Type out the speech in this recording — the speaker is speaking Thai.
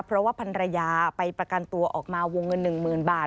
เพราะว่าพันรยาไปประกันตัวออกมาวงเงิน๑๐๐๐บาท